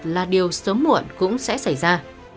là điều sớm muộn cũng sẽ xảy ra